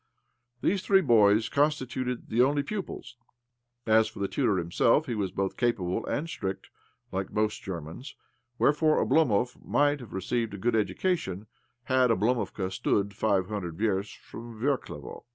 These three boys constituted the only pupils. As for the tutor himself, he was both capable and stript OBLOMOV 119 — like most Germans ; whferefore Oblomov might have received a good education had Oblomovka stood five hundred versts from' Verklevo.